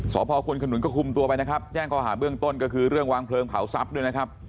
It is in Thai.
สพควนขนุนก็คุมตัวไปนะครับแจ้งข้อหาเบื้องต้นก็คือเรื่องวางเพลิงเผาทรัพย์ด้วยนะครับ